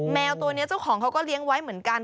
แมวตัวนี้เจ้าของเขาก็เลี้ยงไว้เหมือนกัน